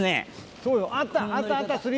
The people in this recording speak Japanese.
そうよ。